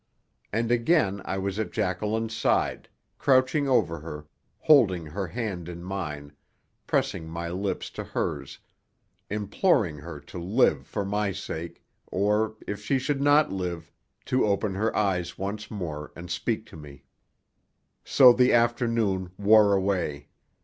And again I was at Jacqueline's side, crouching over her, holding her hand in mine, pressing my lips to hers, imploring her to live for my sake, or, if she could not live, to open her eyes once more and speak to me. So the afternoon wore away.